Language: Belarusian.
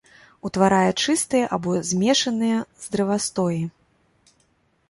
Утварае чыстыя або змешаныя з дрэвастоі.